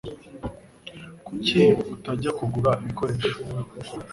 Kuki utajya kugura ibikoresho?